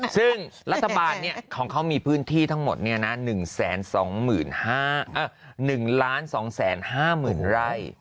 ซึ่งรัฐบาลเนี่ยของเขามีพื้นที่ทั้งหมดเนี่ยนะ๑๒๕๕๐๐๐ไร่